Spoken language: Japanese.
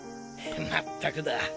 まったくだ。